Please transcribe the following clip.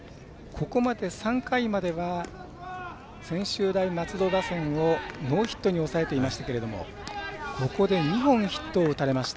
３回までは専修大松戸打線をノーヒットに抑えていましたけどここで２本ヒットを打たれました。